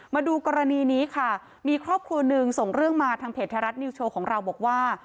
มาดูกรณีนี้ค่ะมีครอบครัวหนึ่งส่งเรื่องมาทางเพจไทยรัฐนิวโชว์ของเราบอกว่า